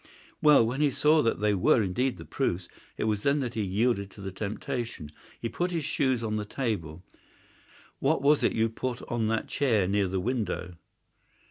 "Well, when he saw that they were indeed the proofs, it was then that he yielded to temptation. He put his shoes on the table. What was it you put on that chair near the window?"